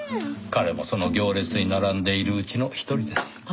彼もその行列に並んでいるうちの一人です。